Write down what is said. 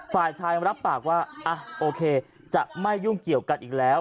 ฝ่ายชายรับปากว่าโอเคจะไม่ยุ่งเกี่ยวกันอีกแล้ว